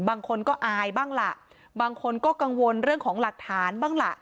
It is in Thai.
บางคนก็อายบ้างล่ะบางคนก็กังวลเรื่องของหลักฐานบ้างล่ะ